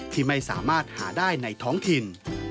ที่ไม่สามารถหาได้ในท้องถิ่น